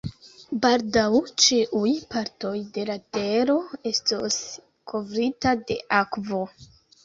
Baldaŭ, ĉiuj partoj de la tero estos kovrita de akvo.